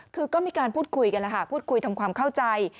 คือก็มีการพูดคุยกันแล้วค่ะพูดคุยทำความเข้าใจ